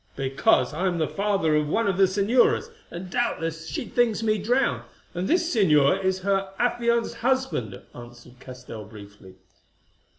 "Because I am the father of one of the señoras, and doubtless she thinks me drowned, and this señor is her affianced husband," answered Castell briefly.